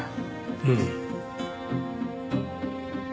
うん。